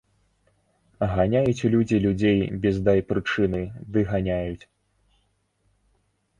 Ганяюць людзі людзей без дай прычыны ды ганяюць.